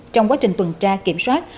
trong quá trình tuần tra kiểm soát